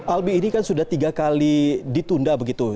albi ini kan sudah tiga kali ditunda begitu